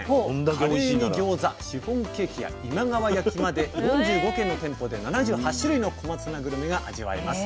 カレーにギョーザシフォンケーキや今川焼きまで４５軒の店舗で７８種類の小松菜グルメが味わえます。